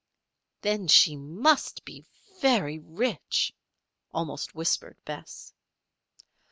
"Then she must be very rich," almost whispered Bess.